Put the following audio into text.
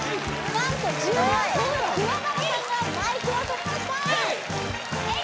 何と１４歳の桑原さんがマイクを取りましたヘイ！